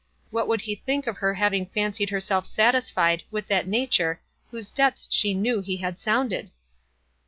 What would he think of her hav ing fancied herself satisfied with that nature whose depths she knew he had sounded